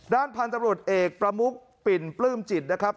ด้านพันธุ์ตำรวจเอกประมุกปิ่นปลื้มจิตนะครับ